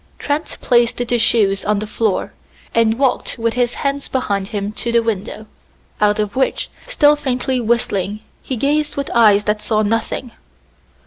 Trent placed the shoes on the floor, and walked with his hands behind him to the window, out of which, still faintly whistling, he gazed with eyes that saw nothing.